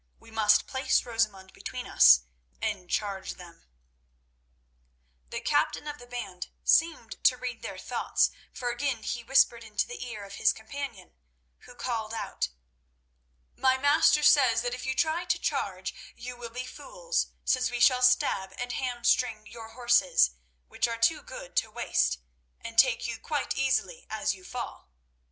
We must place Rosamund between us and charge them." The captain of the band seemed to read their thoughts, for again he whispered into the ear of his companion, who called out: "My master says that if you try to charge, you will be fools, since we shall stab and ham string your horses, which are too good to waste, and take you quite easily as you fall.